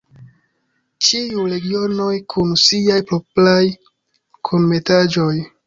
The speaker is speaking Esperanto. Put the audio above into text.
Ĉiuj regionoj kun siaj propraj kunmetaĵoj!